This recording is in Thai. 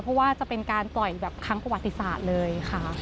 เพราะว่าจะเป็นการปล่อยแบบครั้งประวัติศาสตร์เลยค่ะ